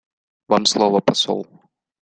Вам слово, посол.